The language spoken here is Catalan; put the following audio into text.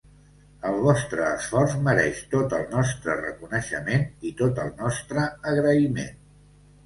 El vostre esforç mereix tot el nostre reconeixement i tot el nostre agraïment.